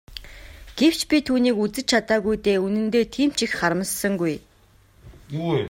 Гэвч би түүнийг үзэж чадаагүй дээ үнэндээ тийм ч их харамссангүй.